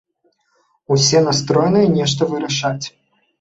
Усе настроеныя нешта вырашаць.